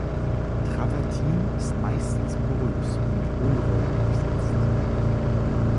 Travertin ist meistens porös und mit Hohlräumen durchsetzt.